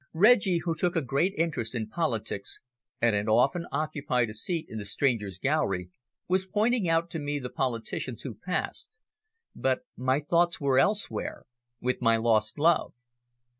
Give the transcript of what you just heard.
Reggie, who took a great interest in politics, and had often occupied a seat in the Strangers' Gallery, was pointing out to me the politicians who passed, but my thoughts were elsewhere with my lost love.